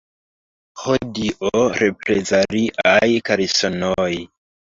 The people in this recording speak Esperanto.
Ho Dio, reprezaliaj kalsonoj!